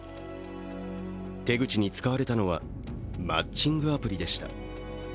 手口に使われたのはマッチングアプリでした。